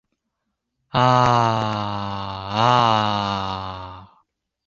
啊啊